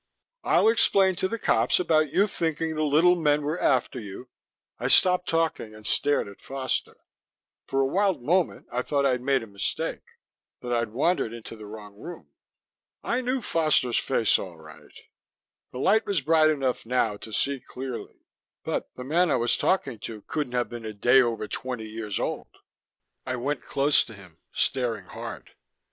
"I'll explain to the cops about you thinking the little men were after you " I stopped talking and stared at Foster. For a wild moment I thought I'd made a mistake that I'd wandered into the wrong room. I knew Foster's face, all right; the light was bright enough now to see clearly; but the man I was talking to couldn't have been a day over twenty years old. I went close to him, staring hard.